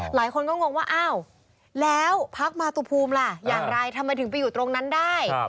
หลายคนก็งงว่าอ้าวแล้วพักมาตุภูมิล่ะอย่างไรทำไมถึงไปอยู่ตรงนั้นได้